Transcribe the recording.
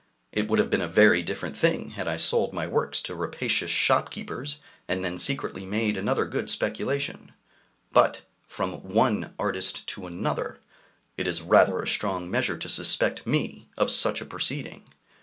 It would have been a very different thing had I sold my works to rapacious shopkeepers, and then secretly made another good speculation; but, from one artist to another, it is rather a strong measure to suspect me of such a proceeding!